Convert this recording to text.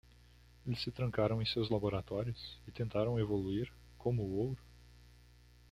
Eles se trancaram em seus laboratórios? e tentaram evoluir? como o ouro.